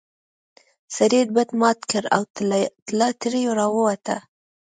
سړي بت مات کړ او طلا ترې راووته.